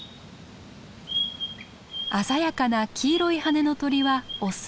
鮮やかな黄色い羽の鳥はオス。